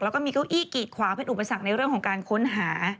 แล้วก็มีเก้าอี้กีดขวางเป็นอุปสรรคในเรื่องของการค้นหา